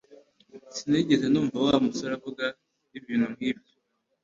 Sinigeze numva Wa musore avuga ibintu nkibyo